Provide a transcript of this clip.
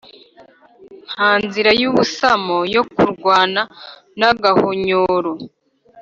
nta nzira y' ubusamo yo k' urwana n'agahonyoro!